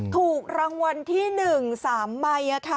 ถูกรางวัลที่หนึ่ง๓ใบค่ะ